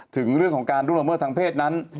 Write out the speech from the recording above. ถึงเรื่องของการร่วงละเมิดทางเพศนั้น